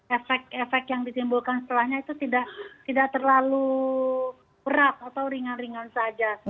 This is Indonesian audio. efek efek yang ditimbulkan setelahnya itu tidak terlalu berat atau ringan ringan saja